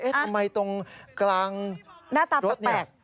เอ๊ะทำไมตรงกลางรถเนี่ย